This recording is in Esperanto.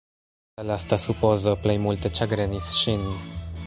La lasta supozo plej multe ĉagrenis ŝin.